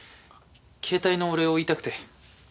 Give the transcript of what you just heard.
携帯のお礼を言いたくて。